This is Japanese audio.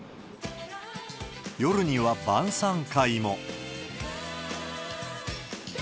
夜には晩さん会も。